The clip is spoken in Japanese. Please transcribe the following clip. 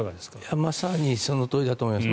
まさにそのとおりだと思います。